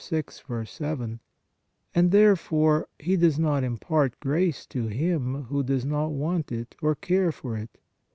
7), and, therefore, He does not impart grace to him who does not want it or care for it.